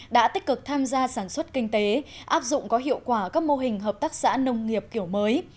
đã tích cực tham gia sản xuất kinh tế áp dụng có hiệu quả các mô hình hợp tác xã nông nghiệp kiểu mới